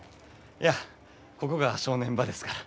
いやここが正念場ですから。